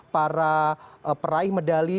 para peraih medali